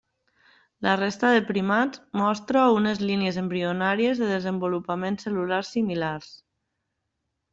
La resta de primats mostra unes línies embrionàries de desenvolupament cel·lular similars.